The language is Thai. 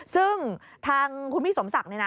ซึ่งทางคุณพี่สมศักดิ์นะ